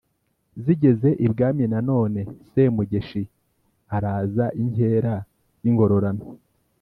zigeze ibwami na none semugeshi araza inkera y'ingororano;